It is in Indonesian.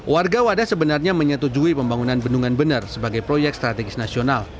warga wadah sebenarnya menyetujui pembangunan bendungan benar sebagai proyek strategis nasional